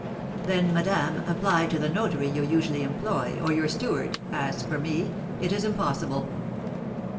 "Then, madame, apply to the notary you usually employ, or your steward; as for me, it is impossible."